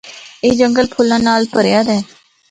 اے جنگل پھُلاں نال بھریا دا اے۔